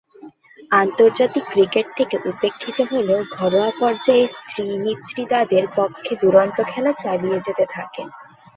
আন্তর্জাতিক ক্রিকেট থেকে উপেক্ষিত হলেও ঘরোয়া পর্যায়ে ত্রিনিদাদের পক্ষে দূর্দান্ত খেলা চালিয়ে যেতে থাকেন।